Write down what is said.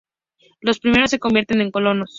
Los primeros se convirtieron en colonos.